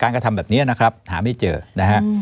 กระทำแบบนี้นะครับหาไม่เจอนะฮะ